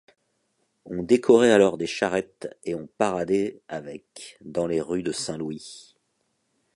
On décorait alors des charrettes et on paradait avec dans les rues de Saint-Louis.